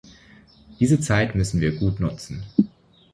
Diese Zeit müssen wir gut nutzen.